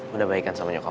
udah baikan sama nyokap lo